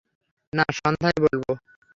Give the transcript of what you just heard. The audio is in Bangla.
না, সন্ধ্যায় বলব।